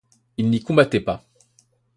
Il n'y combattait pas.